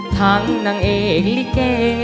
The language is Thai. ทั้งนางเอกลิเกย์